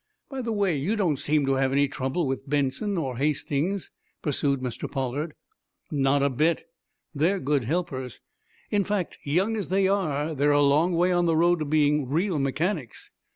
"By the way, you don't seem to have any trouble with Benson or Hastings," pursued Mr. Pollard. "Not a bit. They're good helpers. In fact, young as they are, they are a long way on the road to being real mechanics."